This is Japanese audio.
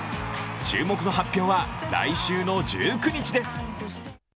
注目の発表は来週の１９日です。